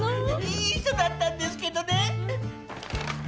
いい人だったんですけどね。